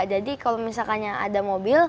jadi kalau misalnya ada mobil